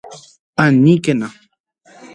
¡Aníkena!